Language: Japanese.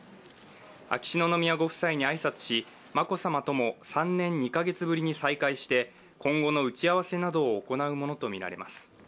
秋篠宮ご夫妻に挨拶し、眞子さまとも３年２カ月ぶりに再会して、今後の打ち合わせなどを行うものとみられます。